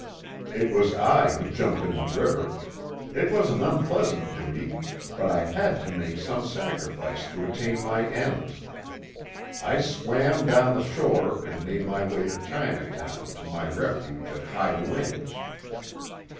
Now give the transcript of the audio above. It was I who jumped in the river. It was an unpleasant duty, but I had to make some sacrifice to attain my ends. I swam down the shore and made my way to Chinatown to my refuge at Hi Ling's.